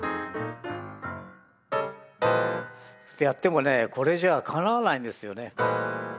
ってやってもねこれじゃあかなわないんですよね。